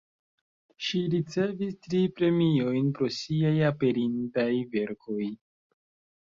Ŝi ricevis tri premiojn pro siaj aperintaj verkoj.